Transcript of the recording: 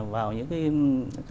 vào những cái